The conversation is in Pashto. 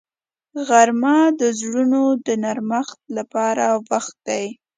غرمه د زړونو د نرمښت لپاره وخت دی